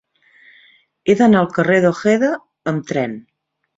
He d'anar al carrer d'Ojeda amb tren.